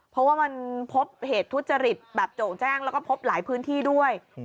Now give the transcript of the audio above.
เพราะว่ามันพบเหตุทุจริตแบบโจ่งแจ้งแล้วก็พบหลายพื้นที่ด้วย